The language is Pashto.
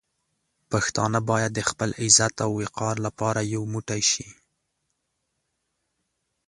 پښتانه باید د خپل عزت او وقار لپاره یو موټی شي.